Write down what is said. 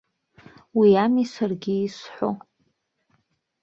Уи ами саргьы исҳәо!